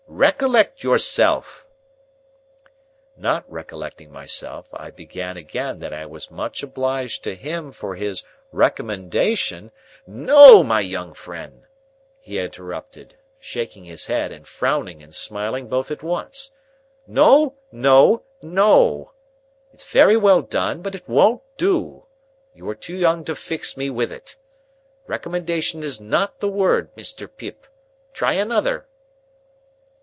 "Recollect yourself!" Not recollecting myself, I began again that I was much obliged to him for his recommendation— "No, my young friend," he interrupted, shaking his head and frowning and smiling both at once,—"no, no, no; it's very well done, but it won't do; you are too young to fix me with it. Recommendation is not the word, Mr. Pip. Try another."